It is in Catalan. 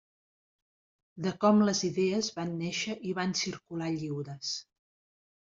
De com les idees van néixer i van circular lliures.